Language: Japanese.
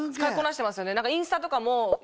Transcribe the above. インスタとかも。